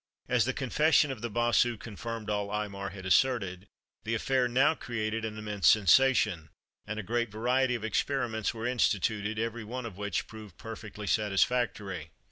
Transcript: As the confession of the Bossu confirmed all Aymar had asserted, the affair now created an immense sensation; and a great variety of experiments were instituted, every one of which proved perfectly satisfactory.